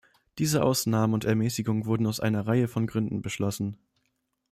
Diese Ausnahmen und Ermäßigungen wurden aus einer Reihe von Gründen beschlossen.